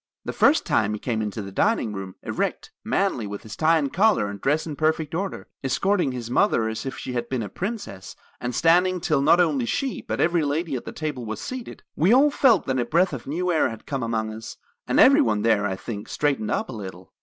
The first time he came into the dining room, erect, manly, with his tie and collar and dress in perfect order, escorting his mother as if she had been a princess, and standing till not only she, but every lady at the table was seated, we all felt that a breath of new air had come among us, and every one there, I think, straightened up a little.